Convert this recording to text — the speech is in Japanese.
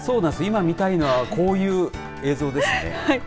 今見たいのはこういう映像ですね。